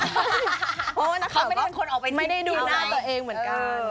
เพราะว่านักข่าวไม่ได้เป็นคนออกไปดูหน้าตัวเองเหมือนกัน